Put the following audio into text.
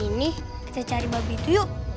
yang ini kita cari babi itu yuk